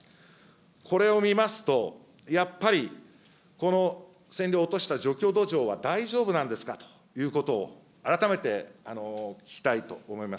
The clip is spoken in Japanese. これを見ますと、やっぱりこの線量を落とした除去土壌は大丈夫なんですかということを、改めて聞きたいと思います。